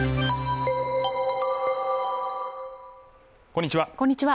こんにちは